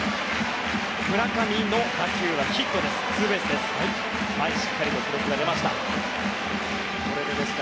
村上の打球はヒットです。